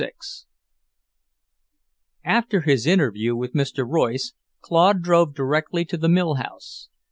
VI After his interview with Mr. Royce, Claude drove directly to the mill house.